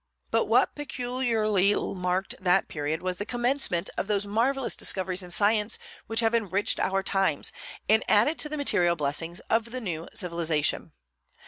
But what peculiarly marked that period was the commencement of those marvellous discoveries in science which have enriched our times and added to the material blessings of the new civilization.